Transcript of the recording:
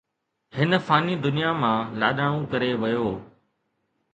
هن فاني دنيا مان لاڏاڻو ڪري ويو